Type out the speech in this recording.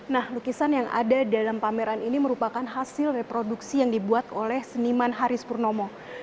nah lukisan yang ada dalam pameran ini merupakan hasil reproduksi yang dibuat oleh seniman haris purnomo